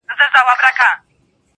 بيا دي توري سترگي زما پر لوري نه کړې,